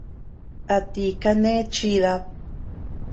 ¿A ti kane chidad?